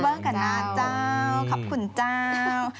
เบอร์งกับนาฬเจ้าครับคุณเจ้า